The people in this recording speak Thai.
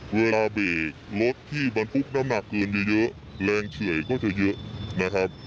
เวลาเบรกรถที่บันทุกข์น้ำหนักเกินเยอะแรงเฉยก็จะเยอะนะครับ